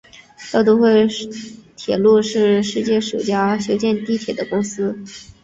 大都会铁路是世界首家修建地铁的公司。